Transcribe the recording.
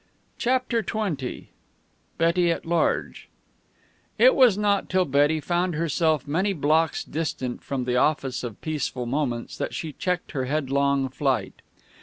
CHAPTER XX BETTY AT LARGE It was not till Betty found herself many blocks distant from the office of Peaceful Moments that she checked her headlong flight.